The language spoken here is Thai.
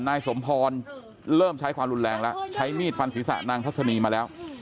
นายสมพรเริ่มใช้ความรุนแรงแล้วใช้มีดฟันศีรษะนางทัศนีมาแล้ว